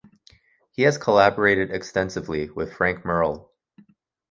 He has collaborated extensively with Frank Merle.